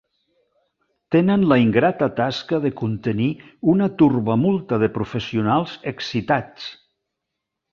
Tenen la ingrata tasca de contenir una turbamulta de professionals excitats.